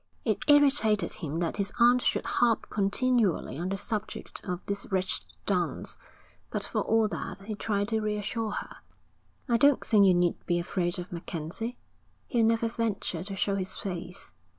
It irritated him that his aunt should harp continually on the subject of this wretched dance. But for all that he tried to reassure her. 'I don't think you need be afraid of MacKenzie. He'll never venture to show his face.'